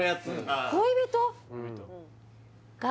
恋人？